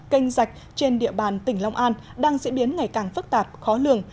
kênh rạch trên địa bàn tỉnh long an đang diễn biến ngày càng phức tạp khó lường